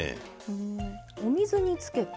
お水につけて？